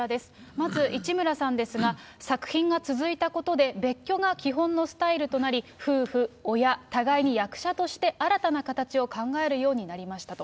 まず市村さんですが、作品が続いたことで別居が基本のスタイルとなり、夫婦、親、互いに役者として新たな形を考えるようになりましたと。